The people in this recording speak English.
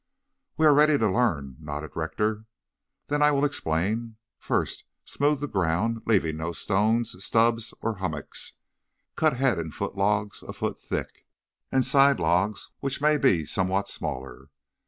"We are ready to learn," nodded Rector. "Then I will explain. First smooth the ground, leaving no stones, stubs or hummocks. Cut head and foot logs a foot thick, and side logs which may be somewhat smaller.